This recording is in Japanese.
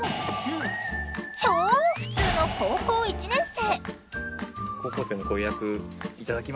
超普通の高校１年生。